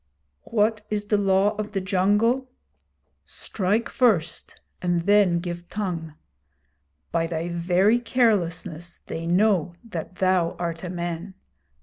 'What is the Law of the Jungle? Strike first and then give tongue. By thy very carelessness they know that thou art a man.